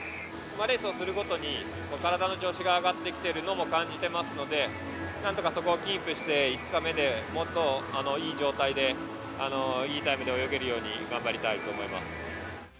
レースをするごとに体の調子が上がってきているのも感じてますのでなんとかそこをキープして５日目で、もっといい状態でいいタイムで泳げるように頑張りたいと思います。